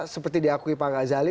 seperti diakui pak ghazali